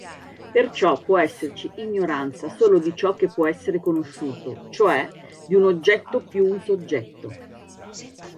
Perciò può esserci ignoranza solo di ciò che può essere conosciuto, cioè, di un-oggetto-più-un-soggetto.